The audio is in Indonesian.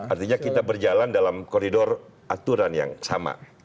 artinya kita berjalan dalam koridor aturan yang sama